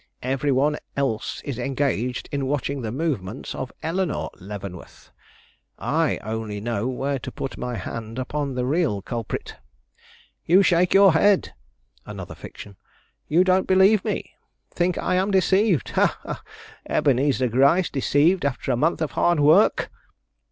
Every one else is engaged in watching the movements of Eleanore Leavenworth; I only know where to put my hand upon the real culprit. You shake your head!" (Another fiction.) "You don't believe me! Think I am deceived. Ha, ha! Ebenezer Gryce deceived after a month of hard work!